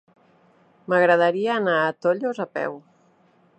M'agradaria anar a Tollos a peu.